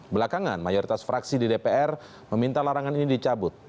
belakangan mayoritas fraksi di dpr meminta larangan ini dicabut